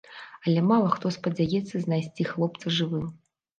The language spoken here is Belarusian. Але мала хто спадзяецца знайсці хлопца жывым.